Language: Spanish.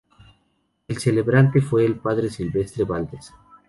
El celebrante fue el Padre Silvestre Valdez.